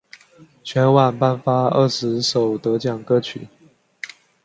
全晚颁发二十首得奖歌曲。